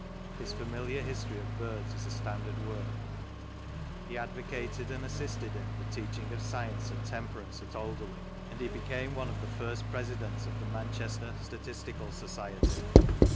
His Familiar History of Birds is a standard work; he advocated, and assisted in, the teaching of Science and Temper ance at Alderley; and he became one of the first Presidents of the Manchester Statistical Society.